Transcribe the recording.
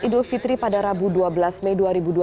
idul fitri pada rabu dua belas mei dua ribu dua puluh